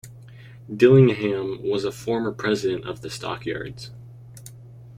Dillingham was a former president of the Stockyards.